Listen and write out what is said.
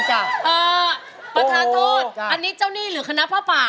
เอ่อปรฐานโทษอันนี้เจ้านี่หรือคณภาษาฝ่า